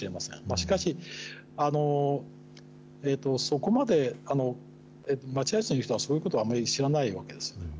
しかし、そこまで待合室にいる人はそういうことはあまり知らないわけです。